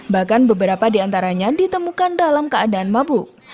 bahkan beberapa di antaranya ditemukan dalam keadaan mabuk